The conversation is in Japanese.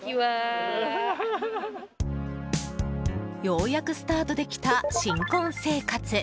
ようやくスタートできた新婚生活。